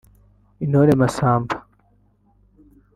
Intore Massamba